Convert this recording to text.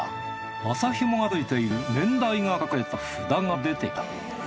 麻紐がついている年代が書かれた札が出てきた。